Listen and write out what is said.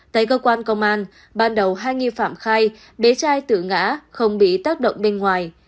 tại cơ quan công an ban đầu hai nghi phạm khai bé trai tử ngã không bị tác động bên ngoài